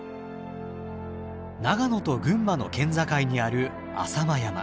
長野と群馬の県境にある浅間山。